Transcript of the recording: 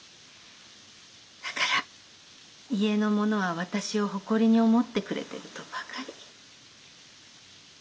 だから家の者は私を誇りに思ってくれてるとばかり。